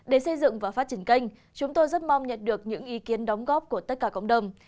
để xây dựng và phát triển kênh chúng tôi rất mong nhận được những ý kiến đóng góp của tất cả cộng đồng